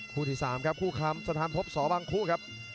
คู่ที่สามครับคู่ค้ำสนานพบสบังคุครับ